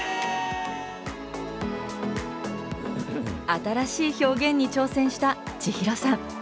新しい表現に挑戦した千尋さん。